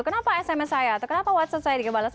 kenapa sms saya atau kenapa whatsapp saya dikembalas